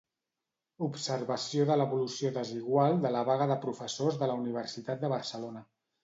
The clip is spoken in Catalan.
Observació de l'evolució desigual de la vaga de professors de la Universitat de Barcelona.